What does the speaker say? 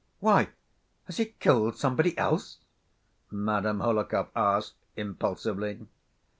"Why, has he killed somebody else?" Madame Hohlakov asked impulsively.